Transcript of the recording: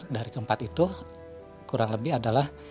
dari keempat itu kurang lebih adalah